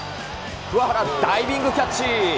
桑原、ダイビングキャッチ。